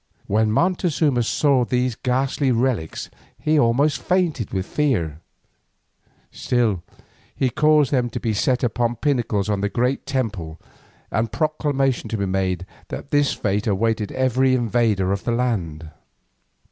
When Montezuma saw these ghastly relics he almost fainted with fear, still he caused them to be set up on pinnacles of the great temple and proclamation to be made that this fate awaited every invader of the land.